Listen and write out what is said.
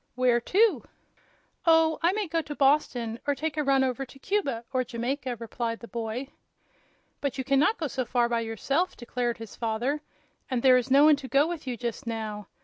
"Where to?" "Oh, I may go to Boston, or take a run over to Cuba or Jamaica," replied the boy. "But you can not go so far by yourself," declared his father; "and there is no one to go with you, just now.